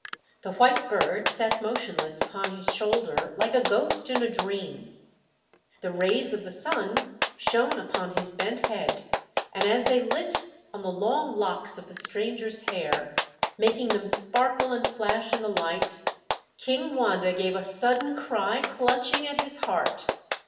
The white bird sat motionless upon his shoulder, like a ghost in a dream. The rays of the sun shone upon his bent head, and as they lit on the long locks of the stranger's hair, making them sparkle and flash in the light, King Wanda gave a sudden cry, clutching at his heart.